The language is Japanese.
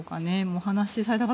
お話しされた方